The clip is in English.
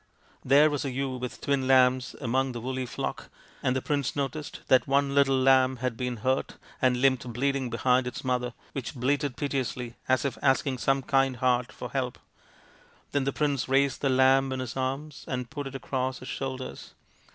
There was a ewe with twin lambs among the woolly flock, and the prince noticed that one little lamb had been hurt and limped bleeding behind its mother, which bleated piteously as if asking some kind heart for help. Then the prince raised the lamb in his arms and put it across his shoulders.